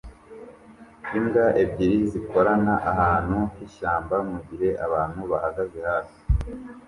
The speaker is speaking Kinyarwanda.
Imbwa ebyiri zikorana ahantu h'ishyamba mugihe abantu bahagaze hafi